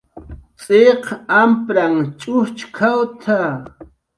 "cx'iq ampranhn ch'ujchk""awt""a "